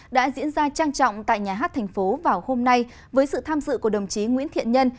đã diễn ra trang trọng tại nhà hát thành phố vào hôm nay với sự tham dự của đồng chí nguyễn thiện nhân